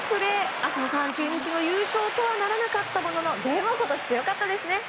浅尾さん、中日の優勝とはならなかったものの今年は強かったですね。